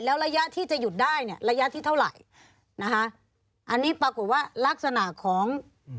แล้วระยะที่จะหยุดได้เนี่ยระยะที่เท่าไหร่นะคะอันนี้ปรากฏว่ารักษณะของ